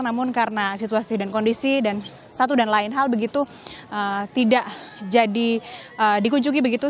namun karena situasi dan kondisi dan satu dan lain hal begitu tidak jadi dikunjungi begitu